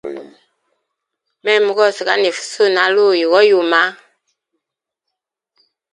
Mema gose ganifa usuna aluyi go yuma.